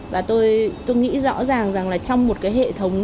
và tôi nghĩ rõ ràng rằng là trong một cái hệ thống